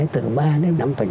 từ ba đến năm